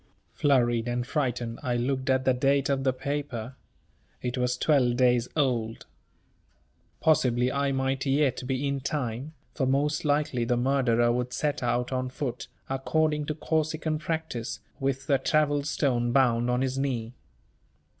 Flurried and frightened, I looked at the date of the paper. It was twelve days old. Possibly I might yet be in time, for most likely the murderer would set out on foot, according to Corsican practice, with the travel stone bound on his knee.